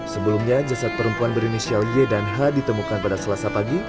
sebelumnya jasad perempuan berinisial y dan h ditemukan pada selasa pagi